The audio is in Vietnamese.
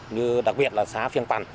như đặc biệt là xá phiên tần